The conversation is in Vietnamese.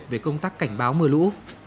về công tác cảnh báo mở lũ